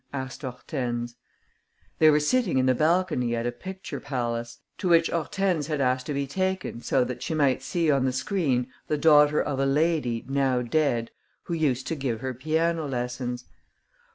asked Hortense. They were sitting in the balcony at a picture palace, to which Hortense had asked to be taken so that she might see on the screen the daughter of a lady, now dead, who used to give her piano lessons.